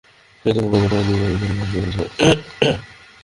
সেই থেকে এখন পর্যন্ত প্রায় দুই বছর ধরে আমি হাসপাতালের বিছানায়।